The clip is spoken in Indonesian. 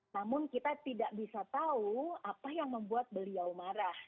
namun kita tidak bisa tahu apa yang membuat beliau marah